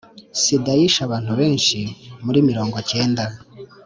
sida yishe abantu benshi muri mirongo icyenda